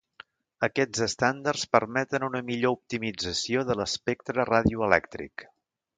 Aquests estàndards permeten una millor optimització de l'espectre radioelèctric.